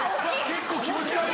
結構気持ち悪い。